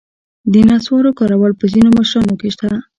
د نصوارو کارول په ځینو مشرانو کې شته.